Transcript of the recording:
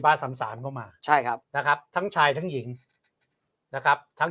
สามสามเข้ามาใช่ครับนะครับทั้งชายทั้งหญิงนะครับทั้ง